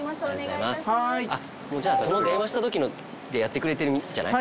その電話した時のでやってくれてるんじゃない？